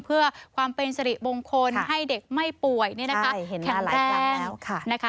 เพื่อความเป็นสริมงคลให้เด็กไม่ป่วยแข็งแรงนะคะ